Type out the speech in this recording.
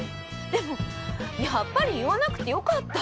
でもやっぱり言わなくてよかった！